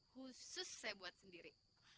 khusus saya buat sendiri